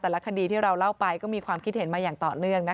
แต่ละคดีที่เราเล่าไปก็มีความคิดเห็นมาอย่างต่อเนื่องนะคะ